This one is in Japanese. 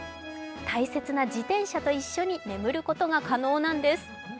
大切な自転車と一緒に眠ることが可能なんです。